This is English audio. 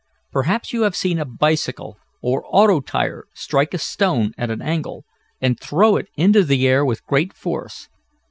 Perhaps you have seen a bicycle or auto tire strike a stone at an angle, and throw it into the air with great force.